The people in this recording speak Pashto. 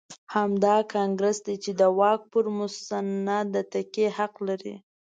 همدا کانګرېس دی چې د واک پر مسند د تکیې حق لري.